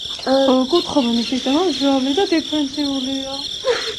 კუნთოვანი სისტემა მძლავრი და დიფერენცირებულია.